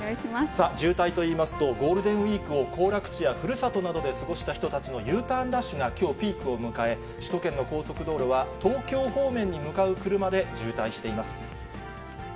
さあ、渋滞といいますと、ゴールデンウィークを行楽地やふるさとなどで過ごした人たちのＵターンラッシュがきょう、ピークを迎え、首都圏の高速道路は東京方面に向かう車で渋滞しています。